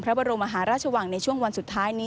พระบรมมหาราชวังในช่วงวันสุดท้ายนี้